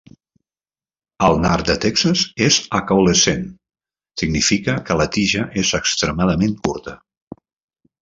El nard de Texas és acaulescent, la significa que la tija és extremadament curta.